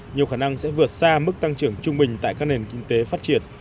nhiều khả năng sẽ vượt xa mức tăng trưởng trung bình tại các nền kinh tế phát triển